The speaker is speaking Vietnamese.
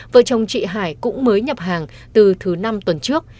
vợ chồng chị hải cũng mới nhập hàng từ thứ năm tuần trước